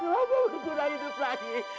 lu gak pernah berguna hidup lagi